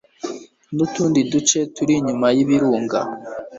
n'utundi duce turi inyuma y'ibirunga